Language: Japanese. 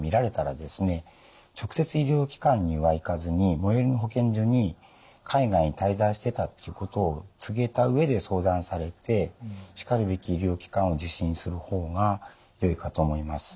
直接医療機関には行かずに最寄りの保健所に海外に滞在してたということを告げた上で相談されてしかるべき医療機関を受診する方がよいかと思います。